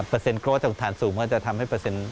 เปอร์เซ็นต์โกรธจากฐานสูงก็จะทำให้เปอร์เซ็นต์